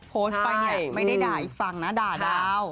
โพสต์ไปเนี่ยไม่ได้ด่าอีกฝั่งนะด่าดาว